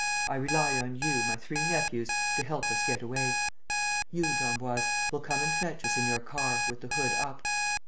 I rely on you, my three nephews, to help us get away. You, d'Emboise, will come and fetch us in your car, with the hood up.